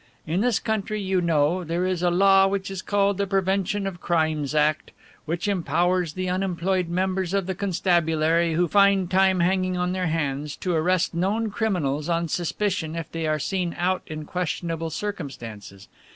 In this country, you know, there is a law which is called the Prevention of Crimes Act, which empowers the unemployed members of the constabulary who find time hanging on their hands to arrest known criminals on suspicion if they are seen out in questionable circumstances.